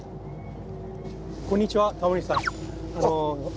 こんにちはタモリさん。